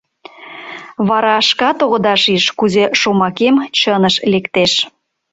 Вара шкат огыда шиж, кузе шомакем чыныш лектеш...